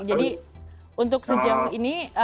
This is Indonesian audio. jadi untuk sejam ini